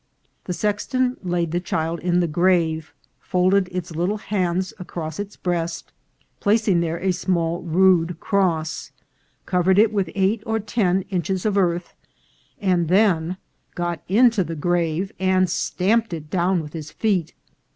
The sexton laid the child in the grave, folded its little hands across its breast, placing there a small rude cross, covered it over with eight or ten inch es of earth, and then got into the grave and stamped it down with his feet.